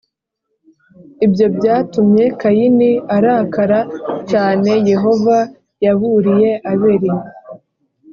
Ibyo byatumye Kayini arakara cyane Yehova yaburiye abeli